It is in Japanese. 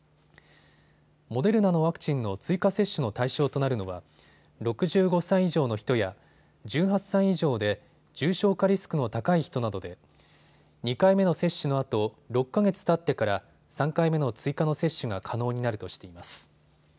モデルナのワクチンの追加接種の対象となるのは６５歳以上の人や、１８歳以上で重症化リスクの高い人などで２回目の接種のあと６か月たってから３回目の追加の接種が可能になるとしています。